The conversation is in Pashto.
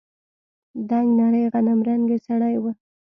دنګ نرى غنمرنگى سړى و.